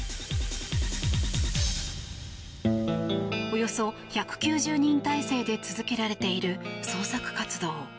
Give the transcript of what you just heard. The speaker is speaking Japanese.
およそ１９０人態勢で続けられている捜索活動。